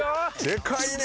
でかいね。